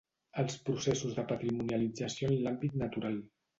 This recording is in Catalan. Els processos de patrimonialització en l'àmbit natural.